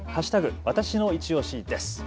わたしのいちオシです。